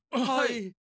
はい。